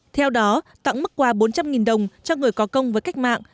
theo đó tặng mức quà bốn trăm linh đồng cho người có công với cách mạng